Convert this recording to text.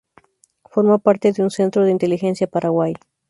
Formó parte de un centro de inteligencia Paraguay.